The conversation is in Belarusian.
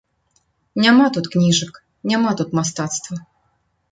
Няма тут кніжак, няма тут мастацтва.